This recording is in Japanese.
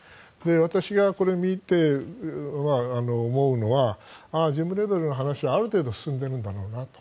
私が見て思うのは事務レベルの話はある程度進んでいるんだろうなと。